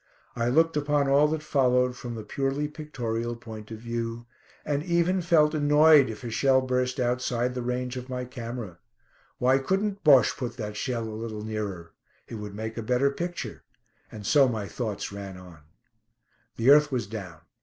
I looked upon all that followed from the purely pictorial point of view, and even felt annoyed if a shell burst outside the range of my camera. Why couldn't Bosche put that shell a little nearer? It would make a better picture. And so my thoughts ran on. The earth was down.